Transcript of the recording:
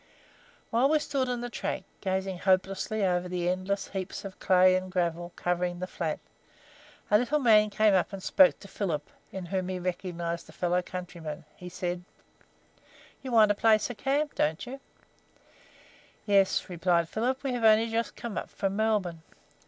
While we stood in the track, gazing hopelessly over the endless heaps of clay and gravel covering the flat, a little man came up and spoke to Philip, in whom he recognised a fellow countryman. He said: "You want a place to camp on, don't you?" "Yes," replied Philip, "we have only just come up from Melbourne."